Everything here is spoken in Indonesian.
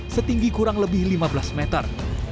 setinggi kurang lebih lima belas meter